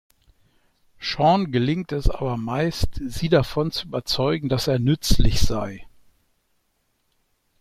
Shawn gelingt es aber meist, sie davon zu überzeugen, dass er nützlich sei.